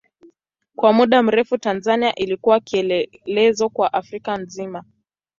Kwa muda mrefu Tanzania ilikuwa kielelezo kwa Afrika nzima.